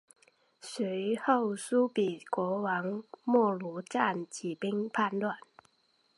随后苏毗国王没庐赞起兵叛乱。